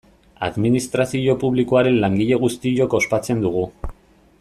Administrazio publikoaren langile guztiok ospatzen dugu.